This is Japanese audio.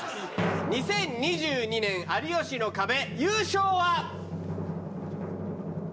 ２０２２年『有吉の壁』優勝は。